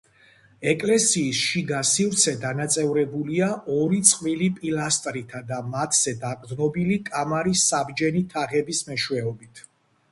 ეკლესიის შიგა სივრცე დანაწევრებულია ორი წყვილი პილასტრითა და მათზე დაყრდნობილი კამარის საბჯენი თაღების მეშვეობით.